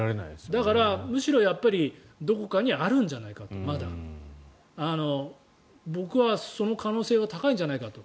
だから、むしろどこかにまだあるんじゃないか僕はその可能性が高いんじゃないかと。